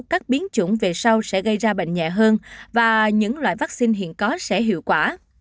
các biến chủng về sau sẽ gây ra bệnh nhẹ hơn và những loại vaccine hiện có sẽ hiệu quả